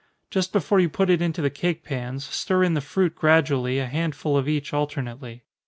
Just before you put it into the cake pans, stir in the fruit gradually, a handful of each alternately.